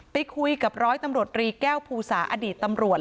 ไปคุยกับร้อยตำรวจรีแก้วภูสาอดีตตำรวจ